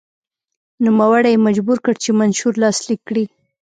نوموړی یې مجبور کړ چې منشور لاسلیک کړي.